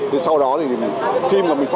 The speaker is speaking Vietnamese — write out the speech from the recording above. thì sau đó thì